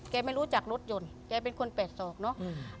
ไม่รู้จักรถยนต์แกเป็นคนแปดศอกเนอะ